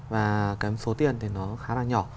và cái số tiền thì nó khá là nhỏ